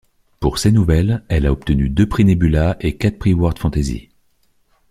Pour ses nouvelles, elle a obtenu deux prix Nebula et quatre prix World Fantasy.